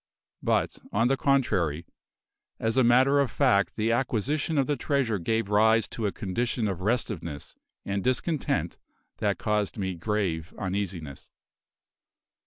But, on the contrary, as a matter of fact the acquisition of the treasure gave rise to a condition of restiveness and discontent that caused me grave uneasiness.